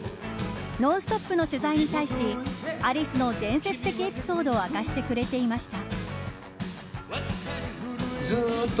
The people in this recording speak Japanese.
「ノンストップ！」の取材に対しアリスの伝説的エピソードを明かしてくれていました。